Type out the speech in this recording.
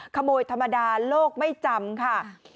ขโมยธรรมดาโลกไม่จำค่ะ